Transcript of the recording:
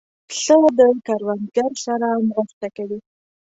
پسه د کروندګر سره مرسته کوي.